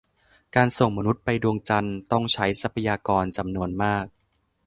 การส่งมนุษย์ไปดวงจันทร์ ต้องใช้ทรัพยากรจำนวนมาก